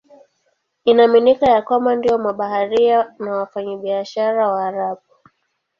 Inaaminika ya kwamba ndio mabaharia na wafanyabiashara Waarabu.